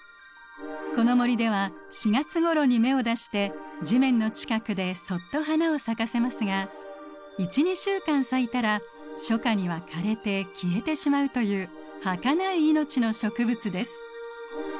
この森では４月ごろに芽を出して地面の近くでそっと花を咲かせますが１２週間咲いたら初夏には枯れて消えてしまうというはかない命の植物です。